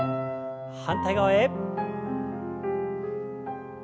反対側へ。